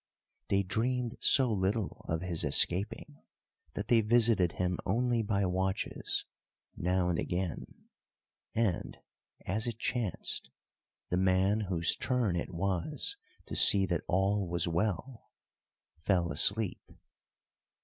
They dreamed so little of his escaping that they visited him only by watches, now and again; and, as it chanced, the man whose turn it was to see that all was well fell asleep.